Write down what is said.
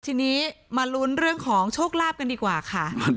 ทีนี้มาลุ้นเรื่องของโชคลาภกันดีกว่าค่ะ